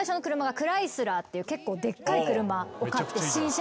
クライスラーっていう結構でっかい車を買って新車で。